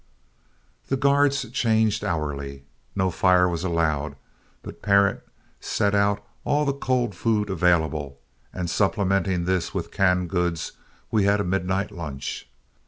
'" The guards changed hourly. No fire was allowed, but Parent set out all the cold food available, and supplementing this with canned goods, we had a midnight lunch.